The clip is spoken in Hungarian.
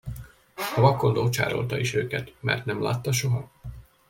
A vakond ócsárolta is őket, mert nem látta soha.